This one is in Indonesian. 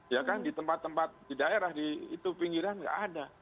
ya kan di tempat tempat di daerah di itu pinggiran nggak ada